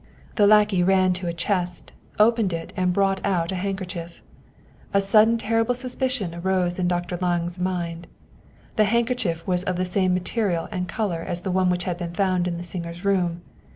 The lackey ran to a chest, opened it and brought out a handkerchief. A sudden ter rible suspicion arose in Dr. Lange's mind. The handker chief was of the same material and color as the one which had been found in the singer's room.